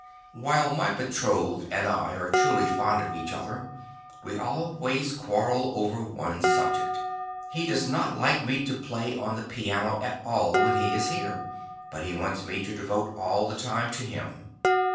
"While my betrothed and I are truly fond of each other, we always quarrel over one subject. He does not like me to play on the piano at all when he is here, but wants me to devote all the time to him.